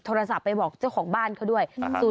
โทรศัพท์ไปบอกเจ้าของบ้านเข้าด้วย๐๘๑๗๘๗๓๕๐๖